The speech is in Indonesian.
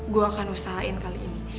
gue akan usahain kali ini